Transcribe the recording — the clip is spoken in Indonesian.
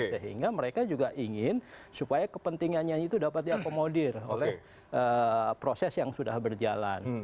sehingga mereka juga ingin supaya kepentingannya itu dapat diakomodir oleh proses yang sudah berjalan